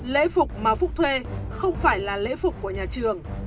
lễ phục mà phúc thuê không phải là lễ phục của nhà trường